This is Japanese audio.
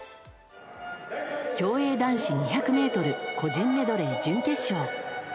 競泳男子２００ｍ個人メドレー準決勝。